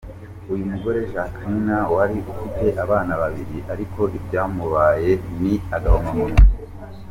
Uyu mugore Jacqueline wari ufite abana babiri ariko ibyamubaye ni agahomamunwa.